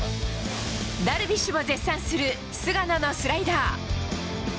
ダルビッシュも絶賛する菅野のスライダー。